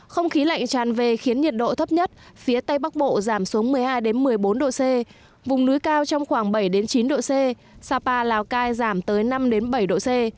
không khí lạnh tràn về khiến nhiệt độ thấp nhất phía tây bắc bộ giảm xuống một mươi hai một mươi bốn độ c vùng núi cao trong khoảng bảy chín độ c sapa lào cai giảm tới năm bảy độ c